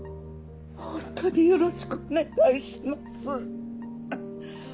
ホントによろしくお願いします。